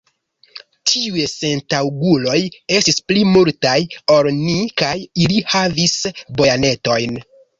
Tiuj sentaŭguloj estis pli multaj ol ni, kaj ili havis bajonetojn.